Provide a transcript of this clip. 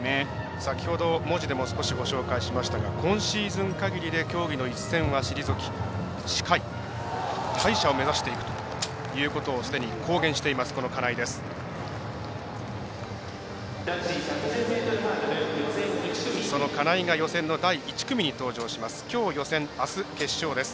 先ほど文字でも少しご紹介しましたが今シーズンかぎりで競技の一線は退き歯医者を目指していくとすでに公言しています金井です。